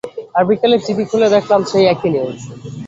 আর বিকেলে টিভি খুলে দেখলাম সেই একই নিউজ।